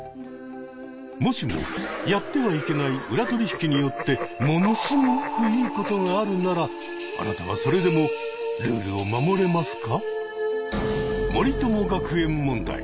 もしもやってはいけない裏取引によってものすごくいいことがあるならあなたはそれでもルールを守れますか？